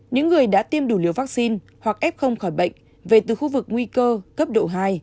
những người đã tiêm đủ liều vaccine hoặc f khỏi bệnh về từ khu vực nguy cơ cấp độ hai